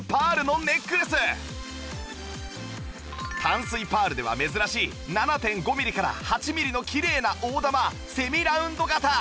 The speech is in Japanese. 淡水パールでは珍しい ７．５ ミリから８ミリのきれいな大玉セミラウンド型